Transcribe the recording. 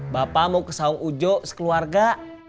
bapak mau ke saung ujo sekeluarga